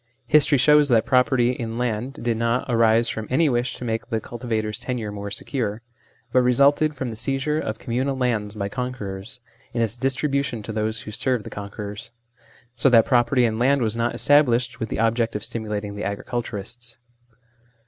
History shows that property in land did not arise from any wish to make the culti vator's tenure more secure, but resulted from the seizure of communal lands by conquerors, and its distribution to those who served the conquerors. So that property in land was not established with the object of stimulating the agriculturists.